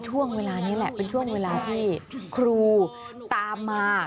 ช่วงเวลานี้แหละเป็นช่วงเวลาที่ครูตามมา